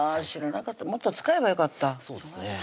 知らなかったもっと使えばよかったそうですね